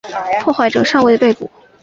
破坏者尚未被捕。